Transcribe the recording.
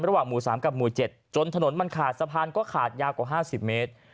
ระหว่างหมู่สามกับหมู่เจ็ดจนถนนมันขาดสะพานก็ขาดยาวกว่าห้าสิบเมตร